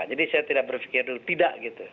jadi saya tidak berfikir dulu tidak gitu